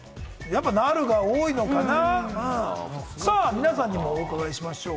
皆さんにもお伺いしましょう。